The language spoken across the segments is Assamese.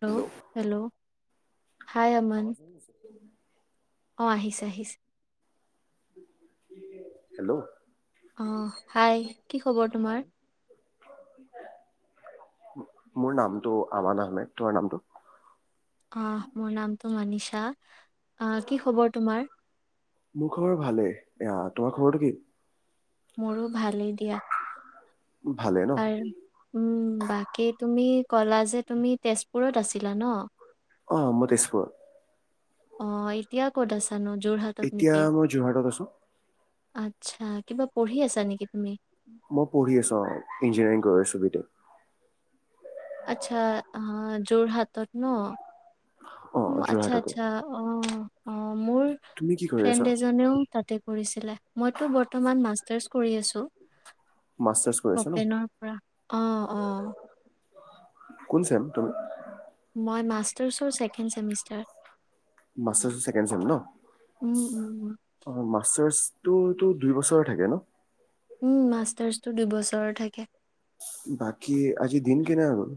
Hello, hello. হাই আমান আৱাজ এইছে। অ', আহিছে আহিছে। হেল্ল'। অহ, হাই কি খবৰ তোমাৰ? হয়। মোৰ নামটো আমান আহমেদ, তোমাৰ নামটো? অ', মোৰ নামট মনীষা। মোৰ খবৰ ভালেই এইয়া তোমাৰ খবৰটো কি? মোৰো ভালেই দিয়া। ভালে ন? আৰু উম, বাকী তুমি ক'লা যে তুমি তেজপুৰত আছিলা ন'। অ', মই তেজপুৰত। অ', এতিয়া ক'ত আছ এতিয়া মই যোৰহাটত আছো। আত্ছা কিবা পঢ়ি আছা নেকি তুমি? মই পঢ়ি আছো অ', ইঞ্জিনিয়াৰিং কৰি আছো বি টেক। আচা অ', যোৰহাটত ন'। অ', আচা, আচা, অহ। অ', মোৰ তুমি কি কৰি আছা? ফ্ৰেণ্ড এজনেও তাতে কৰিছিলে মইতো বৰ্তমান মাষ্টাৰ্ছ কৰি আছোঁ মাষ্টাৰ্ছ কৰি আছা ন? অ'পেনৰ পৰা! অ'-অ'। কোন ছেম তুমি? মই মাষ্টাৰ্ছৰ ছেকেণ্ড ছেমিষ্টাৰ। মাষ্টাৰ্ছৰ ছেকেণ্ড ছেম ন'! উম, উম, উম, অ' মাষ্টাৰ্ছ [unintelligible] টোতো দুই বছৰ থাকে ন'? উম, মাষ্টাৰ্ছটো দুই বছৰৰ থাকে। বাকী আজি দিন কেনেকা গ'ল?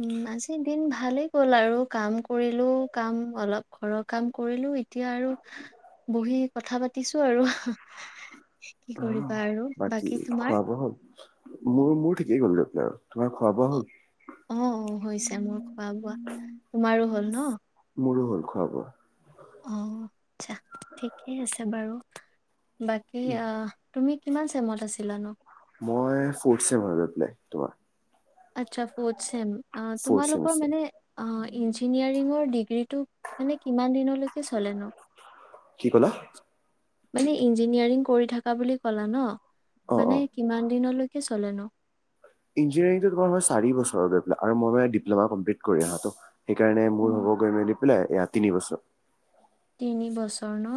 উম, আজি দিন ভালেই গ'ল আৰু কাম কৰিলোঁ। কাম অলপ ঘৰৰ কাম কৰিলোঁ। এতিয়া আৰু বহি কথা পাতিছোঁ আৰু। কি আহ কৰিবা আৰু বাকী তোমাৰ? খোৱা বোৱা হ'ল মোৰ মোৰ ঠিকেই গলই। [inaudible] য অ অ হৈছে মোৰ খোৱা বোৱা তোমাৰো হ'ল ন মোৰো হ'ল খোৱা বোৱা অ আচ্ছা ঠিকেই আছে বাৰু বাকী অ তুমি কিমান চেমত আছিলানো মই ফৰ্থ চেমত গৈ পেলাই তোমাৰ আচ্ছা ফৰ্থ চেম অ ফ'ৰ্থ তোমালোকৰ ছেমিষ্টাৰ মানে অ ইঞ্জিনিয়াৰিঙৰ ডিগ্ৰীটো মানে কিমান দিনলৈকে চলে ন কি কলা মানে ইঞ্জিনিয়াৰিং কৰি থাকা বুলি ক'লা ন অ অ মানে কিমান দিনলৈকে চলেনো ইঞ্জিনিয়াৰিংটো তোমাৰ হয় চাৰি বছৰৰ গ পেল আৰু মইানে ডিপ্লমা কমপ্লিট আহটো সেইকাৰণে মোৰ উম। হ'ব গৈ মেলি এয়া তিনি বছৰ তিনি বছৰ ন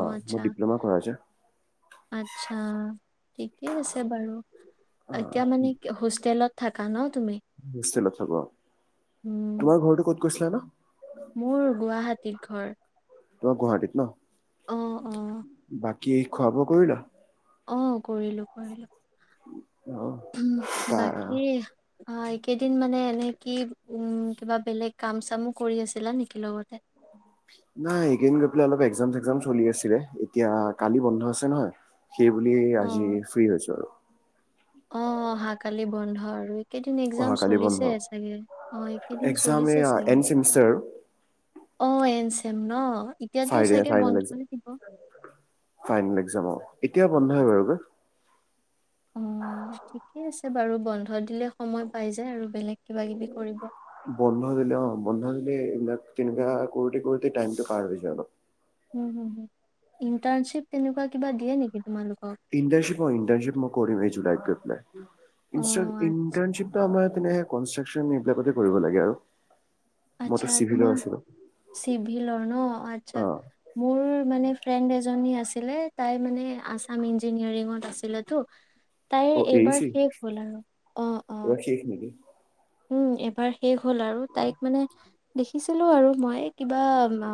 অ মোৰ ডিপ্ল'মা কৰা হৈছে আচ্ছা। ঠিকেই আছে বাৰু অ এতিয়া মানে কি হোষ্টেলত থাকা ন তুমি? হোষ্টেলত থব উম, তোমাৰ ঘৰটো ক'ত কৈছিলা ন মোৰ গুৱাহাটীত ঘৰ তোমাৰ গুৱাহাটীত ন অ', অ', বাক কি খোৱা বোৱা কৰিলা অ কৰিলোঁ কৰিলোঁ অ উমহ তাৰ বাকী অ এইকেইদিন মানে এনে কি উম কিবা বেলেগ কাম চামো কৰি আছিলা নেকি লগতে নাই এইকেইদিন গৈ পেলাই অলপ একজাম ঝেকজাম চলি আছিলে এতিয়া কালি বন্ধ আছে নহয় সেইবুলি আজি অ', ফ্ৰী আছো আৰু অ অহাকালি বন্ধ আৰু এইকেইদিন একজাম অহাকালি বন্ধ চলিছে চাগে অ এই কেইদিন এক্সাম চলিছে এয়া চাগে এণ্ড ছেমিষ্টাৰ আৰু অ এ তেওঁ ন এতিয়াতো চাগে ফাইনেল-ফাইনেল একজাম, বন্ধই দিব। ফাইনেল একজাম অ'। এতিয়া বন্ধই বাৰু [unintelligible] অ', ঠিকেই আছে বাৰু! বন্ধ দিলে সময় পাই যায় আৰু বেলেগ কিবা-কিবি কৰিব। বন্ধ দিলে, অ' বন্ধ দিলে এইবিলাক তেনেকুৱা কৰোঁতে-কৰোঁতে টাইমটো পাৰ হৈ যায় অলপ। উ [unintelligible] ইন্টাৰ্নশ্বিপ! তেনেকুৱা কিবা দিয়ে নেকি তোমালোকৰ? ইন্টাৰ্নশ্বিপ হয়, ইন্টাৰ্নশ্বিপ মই কৰিম এই জুলাইতে। [unintelligible] [unintelligible] অ', ইন্টাৰ্নশ্বিপটো আমাৰ তেনেকে কনষ্ট্ৰাকচন এইবিলাকতে কৰিব লাগে আৰু। মইতো আছা চিভিলৰ তোমাৰ আছিলো চিভিলৰ ন' অ আচ্ছা মোৰ মানে ফ্ৰেণ্ড এজনী আছ আছিলে তাই মানে আছাম ইঞ্জিনিয়াৰিঙত আছিলেটো তাইৰ অ এৰিছি এইবাৰ শেষ হ'ল আৰু অ', অ'। এইবাৰ শেষ নেকি উম, এবাৰ শেষ হ'ল আৰু তাইক মানে দেখিছিলো আৰু ময়ে কিবা মা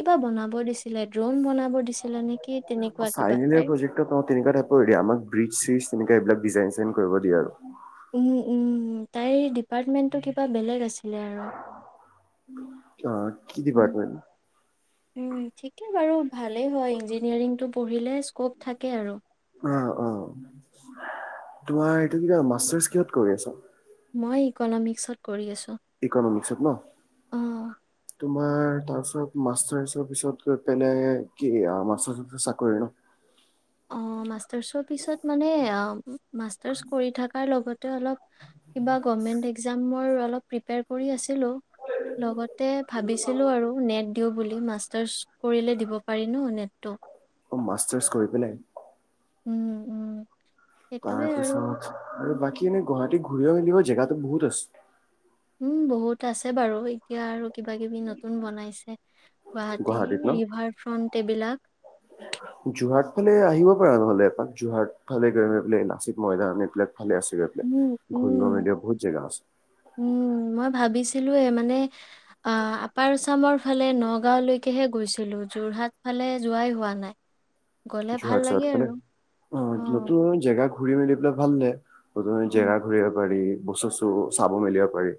কিবা বনাব দিছিলে ড্ৰ'ন বনাব দিছিলে নেকি তেনেকুৱা কিবা ফাইনেল তাই প্ৰজেক্ট তেনেকুৱা টাইপৰে দিয়ে আমাক ব্ৰিজ চ্ৰিজ তেনেকে এইবাকিজাইন চিজাইন কৰিব দিয়ে আৰু। উম, উম, তাই ডি এপাৰমেণ্টটো কিবা বেলেগ আছিলে আৰু অ কি উম, ডিপাৰ্টমেন্ট উম, ঠিকে বাৰু। ভালেই হয় ইঞ্জিনিয়াৰিংটো পঢ়িলে স্কপ থাকে আৰু। অ', অ', তোমাৰ এইটো মাষ্টাৰচ কিহত কৰি আছা? মই ইকনমিক্সত কৰি আছো। ইকনমিক্সত ন অ। তোমাৰ তাৰ পিছত মাষ্টাৰ পিছত গৈ পেলাই কি মাষ্টাৰ্ছৰ পিছত চাকৰি অ', মাষ্টাৰ্চৰ পিছত মানে মাষ্টাৰ্চ কৰি থাকাৰ লগতে তে অলপ কিবা গভৰমেণ্ট এক্জামৰ অলপ প্ৰিপেৰ কৰি আছ লগতে ভাবিছিলো আৰু নেট দিওঁ বুলি। মাষ্টাৰ্চ কৰিলে দিব পাৰি ন' নেটটো। অ', মাষ্টাৰ্চ কৰি পেলাই। উম, উম। সেইটোৱে আৰু তাৰপিছত আৰু বাকী এনে গুৱাহাটীত ঘূৰিব মেলিব জেগাতো বহুত আছে। উম, বহুত আছে বাৰু এতিয়া আৰু কিবা কিবি নতুন বনাইছে গুৱাহাটীত গুৱাহাটীৰ ন? ৰিভাৰ ফ্ৰন্ট টেবিলাক যোৰহাট ফালে আহিব পাৰা নহ'লে এপাক যোৰহাট ফালে গ'লে লাচিত ময়দান এইবিলাক ভালে আছে গৈ প উম, উম। ঘূৰিব মেলিব বহুত জাগা আছে। উম, মই ভাবিছিলোয়ে মানে অ আপাৰছামৰ ফালে নগাঁওলৈকেহে গৈছিলো যোৰহাট ফালে যোৱাই হোৱা নাই গ'লে জহাৰ ভাল চ লাগে মানে আৰু অ নতুন জেগা ঘূৰি মেলি পেলাই ভালনে প্ৰথমে উম, জেৰা ঘূৰিব পাৰি বস্তু চু চাব মেলিব পাৰি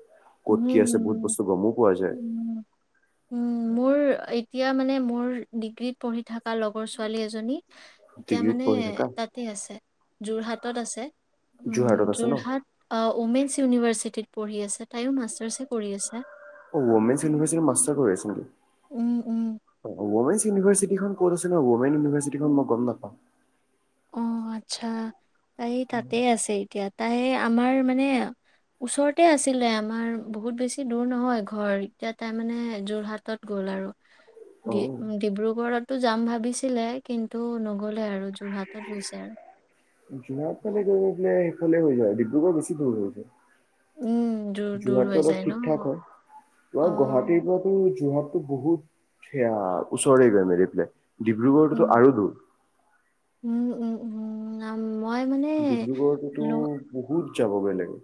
হুম, ক'ত কি হুম, আছে বহুত বস্তু গমো পোৱা যায় উম, উম মোৰ এতিয়া মানে মোৰ ডিগ্ৰীত পঢ়ি থকা লগৰ ছোৱালী এজনী এতিয়া ডিগ্ৰীত মানে পঢ়ি থাকা তাতে আছে যোৰহাট তত আছে উ যোৰহাটত আছে ন? যোৰহাট ওমেন্ছ ইউনিভাৰ্চিটিত পঢ়ি আছে তাইো মাষ্টাৰছে কৰি আছে অ উমেন ইউনিভাৰ্চিটিৰ মাষ্টাৰ হৈ আ উম, উম, নে অমেন ইউনিভাৰ্চিটিখন 'কত আছে ন অমেন ইউভাৰ্চিট মই গম নাপওঁ অ আচ্ছা তাই এই তাতে আছে এতিয়াত তাই আমাৰ মানে ওচৰতে আছিলে আমাৰ বহুত বেছি দূৰ নহয় ঘৰ এতিয়া তাই মানে যোৰহাটত গ'ল আৰু ড অ' ডিব্ৰুগড়তো যাম ভাবিছিলে কিন্তু নগলে আৰু যোৰহাট তাত গৈছে আৰু যোৰহাট ফালে গৈ সেইফালে হৈ যায় ডিব্ৰুগড় বেছি দূৰ হৈ উম, দূৰ যায় দূৰ হৈ যোৰহাটটো অলপ যায় ন ঠিক ঠাক হয় তাৰ অ', গুৱাহাটীৰ পৰাতো যোৰহাট টো বহুত সেয়া ওচৰে গৈ মিলি পেলাই ডিব্ৰুগড়টোতো উম। আৰু দূৰ উম, উম আম মই মানে ডিব্ৰুগড়তোটো ল বহুত যাব বেলেগে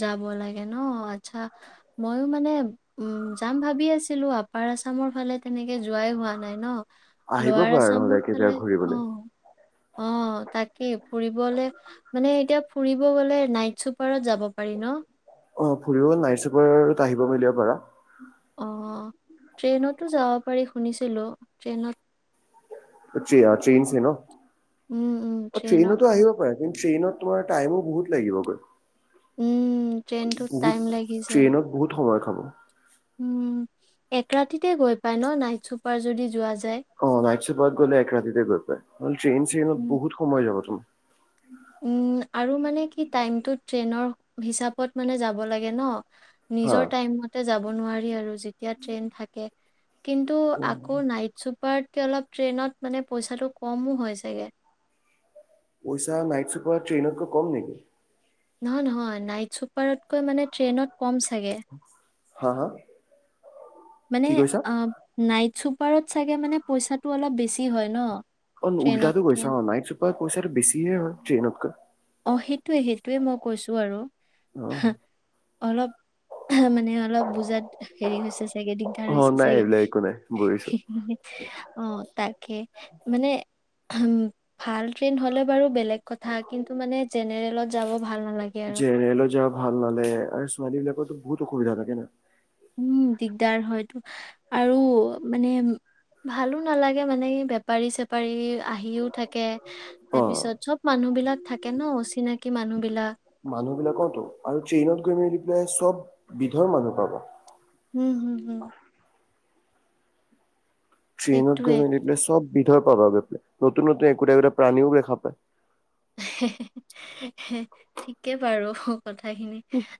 যাব লাগে ন আচ্ছা ময়ো মানে উম যাম ভাবি আছিলো আপাৰ আছামৰ ফালে তেনেকে যোৱাই হোৱা নাই ন আহিব লৱাৰ পাৰ নহলে আছামৰ ফালে একেইজয়া ঘূৰিবলৈ অ', অ তাকেই ফুৰিবলে মানে এতিয়া ফুৰিব গলে নাইট চুপাৰত যাব পাৰি ন অ ফুৰিব নাইচুপাৰত আহিব মেলিব পাৰা অ ট্ৰেইনতো যাব পাৰি শুনিছিলো ট্ৰেইনত চেইনছে ন উম, উম, অ ট্ৰেইনৰ টেইনতো পৰা আহিব পাৰে কিন্তু টেইনত তোমাৰ টাইমো বহুত লাগিবগৈ উম, ট্ৰেইনটোত বহুত টাইম লাগি যায়, ট্ৰেইনত বহুত সহজ হ'ব উম এক ৰাতিতে গৈ পাই ন নাইট চুপাৰ যদি যোৱা যায় অ নাইট চোপাৰত গ'লে এক ৰাতিতে গৈ পাই ট্ৰেইন চেইনত উম, বহুত সময় যাব তোমাৰ উম, আৰু মানে কি টাইমটো ট্ৰেইনৰ হিচাপত মানে যাব লাগে ন হা। নিজৰ টাইমতে যাব নোৱাৰি আৰু যেতিয়া ট্ৰেইন থাকে কিন্তু অ আকৌ নাইট চুপাৰ পাৰতকে অলপ ট্ৰেইনত মানে পইচাটো অলপ কমো হয় চাগে পইছা নাইট চুপাৰতকৈ ট্ৰেইনত কে কম নেকি নহয় নহয় নাইট চুপাৰতকৈ মানে ট্ৰেইনত কম চাগে হা হা মানে কি কৈছা? অ নাইট চুপাৰত চাগে মানে পইচাটো অলপ বেছি হয় ন অ উল্টাতো ট্ৰেইনতকে গৈছা অ নাইট চোপাৰ অ পইছাটো বেছি হে হয় ট্ৰেইনতকে অঁ সেইটোৱে সেইটোৱে মই কৈছোঁ আৰু অহ অলপ মানে অলপ বুজাত হেৰি হৈছে চাগে [unintelligible] দিগদাৰ অ হৈছে নাই চাগে এইবিলাক একো নাই বুজিছো। অ তাকে মানে উ ভাল ট্ৰেইন হ'লে বাৰু বেলেগ কথা কিন্তু ত মানে জেনেৰেলত যাব ভাল নালাগে আৰু যে ৰেলত যোৱা ভাল নালাগে আৰু ছোৱালী বিলাকোতো বহুত অসুবিধা থাকে না উম দিগদাৰ হয়তো আৰু মানে ভালো নালাগে মানে বেপাৰী চেপাৰী আহিও থাকে অ। তাৰ পিছত চব মানুহ বিলাক থাকে ন অচিনাকি মানুহ বিলাক মানুহ বিলাকতো আৰু ট্ৰেইনত গৈ মেলি পেলাই চব বিধৰ মানুহ পাবা উম হম হম ট্ৰেইনত সেইটোৱে গই মেলিটো চব বিধয় পাব নতুন নতুন একোটা একোটা প্ৰাণীও দেখা পায় হে হে হে ঠিকে বাৰু কথা খিনি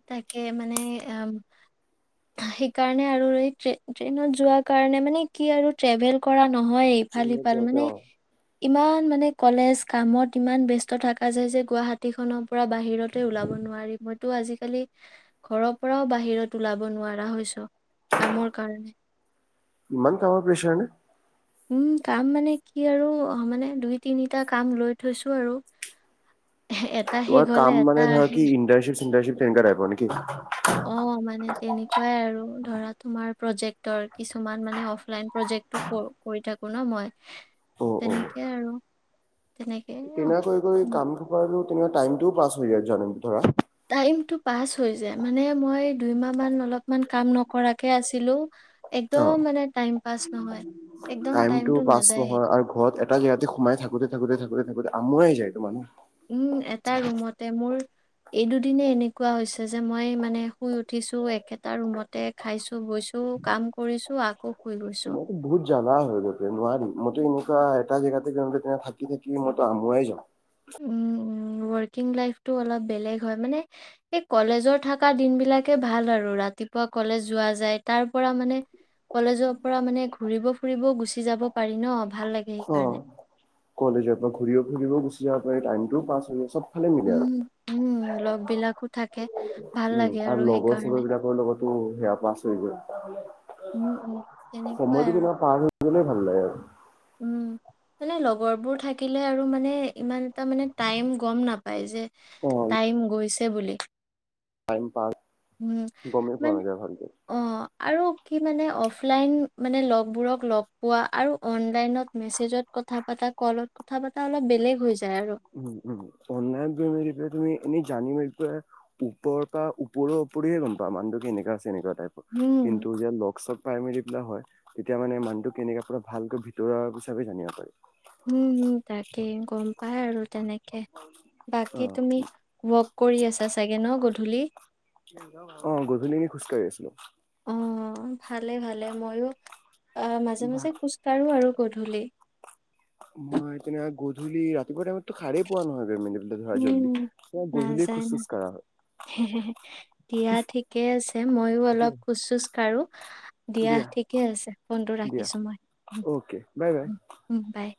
তাকে মানে মানে এ সেই কাৰণে আৰু এ ট্ৰে ট্ৰেইনত যোৱা কাৰণে কি আৰু ট্ৰেভেল কৰা নহয় ইফাল ট্ৰেইনত সিফাল যাওঁতে মানে অ ইমান মানে কলেজ কামত ইমান ব্যস্ত কথা খাৰ যায় যে গুৱাহাটীখনৰ পৰা বাহিৰতে ওলাব নোৱাৰি মইতো আজিকালি ঘৰৰ পৰাও বাহিৰত ওলাব নোৱাৰা হৈছো কামৰ কাৰণে ইমান কামৰ প্ৰেশ্বাৰ নে? উম, কাম মানে কি আৰু মানে দুই তিনিটা কাম লৈ থৈছো আৰু। এটা শেষ তোমাৰ হ'লে কাম এটা মানে ধৰা আহে। কি ইন্টাৰ্নচিপ চিন্টাৰ্নচিপ তেনেকা টাইপৰ নেকি? অ', মানে তেনেকুৱাই আৰু ধৰা তোমাৰ প্ৰজেক্টৰ কিছুমান মানে অফলাইন প্ৰজেক্টো কৰি থাকো ন' মই। তেনেকে আৰু তেনেকে অ কেনেকৈ কৰি কাম সোপা তেনেকুৱ টাইমটো পাছ হৈ যায় য ধৰা টাইমটো পাছ হৈ যায় মানে মই দুইমাহান অলপমান কাম নকৰাকে আছিলো। একদম অ', মানে টাইম পাছ নহয় একদম টাইমটো পাছ নাযায়ে। নহয় আৰু ঘৰত এটা জেগাতে সোমাই থাকোতে, থাকোতে, থাকোতে, থাকোতে আমুৱাই যায় তোমাৰ উম, এটা ৰুমতে মোৰ এই দুদিনে এনেকুৱা হৈছে যে মই মানে শুই উঠিছো একেটা ৰুমতে খাইছো বৈছো কাম কৰিছো আকৌ। হৈ গৈছো। তোমাৰতো বহুত জ্বালা হৈ গতে নোৱাৰিম মইতো এনেকুৱা এটা জেগাতে গতে থাকি থাকি মইতো আমুৱাই যাম। উম, উম, ৱৰ্কিং লাইফতটো অলপ বেলেগ হয় মানে এই কলেজৰ থকা দিন বিলাকে ভাল আৰু ৰাতিপুৱা কলেজ যোৱা যায় তাৰ পৰা মানে কলেজৰ পৰা মানে ঘুৰিব ফুৰিব গুচি যাব পাৰি ন'। ভাল লাগে সেইকাৰণে অ', কলেজৰ পৰা ঘূৰিব ফুৰিব গুচ এই টাইমটোও পা হৈ আ চব উম, উম। বিলাকো থাকে। ভাল উম, লাগে আৰু লগৰ চবৰ সেইকাৰণে বিলাকৰ লগত অ', সেয়া পাছ হৈ গৈ উম, উম, তেনেকুৱাই সময়টো আৰু কিনো পাৰ ভাল লাগে আৰু। উম, মানে লগৰবোৰ থাকিলে আৰু মানে ইমান তাৰ মানে টাইম গম নাপাই যে অ', টাইম গৈছে। বুলি টাইম পাছ উম গমেই পোৱা মানে যায় ভালকৈ। অ আৰু কি মানে অফলাইন মানে লগবোৰক লগ পোৱা আৰু অনলাইনত মেছেজত কথা পাতা ক'লত কথা পাতা অলপ বেলেগ হৈছে। উম, উম, অনলাইন তুমি কেতিয়া তুমি এনেই জানি মেল প ওপৰৰ পৰা ওপৰৰ ওপৰিহে গম পা মানুহ কে এনেকা আছে এনেকুৱা উম কিন্তু যে ল প্ৰাইমেৰী হয় তেতিয়া মানে মানুহটো কেনেক পৰা ভালকৈ ভিতৰুৱা হিচাপে জানিব পাৰ উম, তাকে গম পাই আৰু। তেনেকে বাকী অ', তুমি ৱ কৰি আছা চাগে ন' গধূলি? অ', গধূলিকে খোজকাঢ়ি আছিলো। অ' ভালে, ভালে ময়ো অ' মাজ, মাজে খোজ কঢ়ো আৰু গধূলি। মই এতিনে গ [unintelligible] ধূলিত ৰাতিপুৱা টাইমত উম, এ গধূলি নাযায় খোজ চোজ নাযায়, কাঢ়া দিয়া ঠিকে আছে মইও হয়। অলপ দিয়া, খোজ চোজ কাৰো দিয়া ঠিকে আছে ফোনটো দিয়া। ৰাখিছো মই, উম' বাই।